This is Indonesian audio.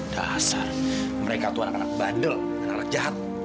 dasar mereka tuh anak anak bandel anak anak jahat